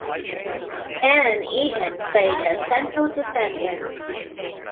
Dan Eggen played as central defender.